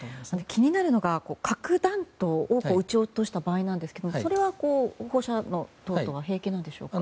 気になるのが核弾頭を撃ち落とした場合なんですがそれはどうでしょうか。